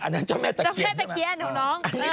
อันนั้นแม่ตาเคียนใช่มั้ย